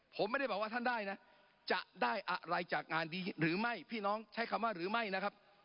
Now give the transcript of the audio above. การดีหรือไม่พี่น้องใช้คำว่าหรือไม่นะครับ